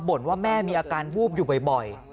ว่าแม่มีอาการวูบอยู่บ่อย